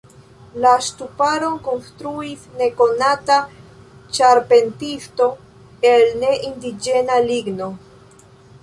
La ŝtuparon konstruis nekonata ĉarpentisto el ne-indiĝena ligno.